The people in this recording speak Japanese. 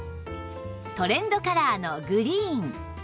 トレンドカラーのグリーン